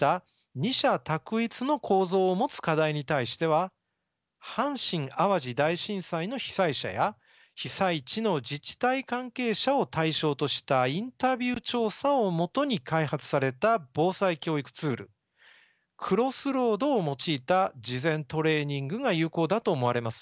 二者択一の構造を持つ課題に対しては阪神・淡路大震災の被災者や被災地の自治体関係者を対象としたインタビュー調査を基に開発された防災教育ツール「クロスロード」を用いた事前トレーニングが有効だと思われます。